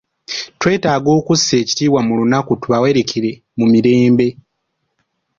Twetaaga okussa ekitiibwa mu lunaku tubawerekere mu mirembe.